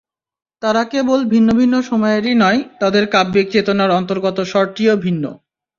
তাঁরা কেবল ভিন্ন ভিন্ন সময়েরই নয়, তাঁদের কাব্যিক চেতনার অন্তর্গত স্বরটিও ভিন্ন।